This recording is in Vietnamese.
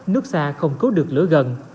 nước xa không cứu được lửa gần